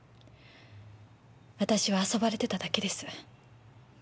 私は遊ばれてただけです。